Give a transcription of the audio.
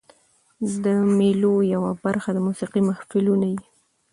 د مېلو یوه برخه د موسیقۍ محفلونه يي.